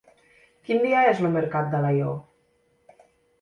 Quin dia és el mercat d'Alaior?